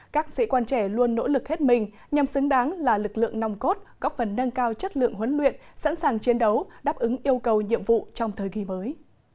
các sĩ quan trẻ luôn nỗ lực hết mình nhằm xứng đáng là lực lượng nòng cốt góp phần nâng cao chất lượng huấn luyện sẵn sàng chiến đấu đáp ứng yêu cầu nhiệm vụ trong thời kỳ mới